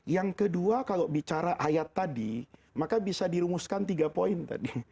yang kedua kalau bicara ayat tadi maka bisa dirumuskan tiga poin tadi